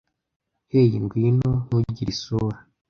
Hey, ngwino. Ntugire isura.